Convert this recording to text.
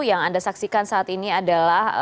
yang anda saksikan saat ini adalah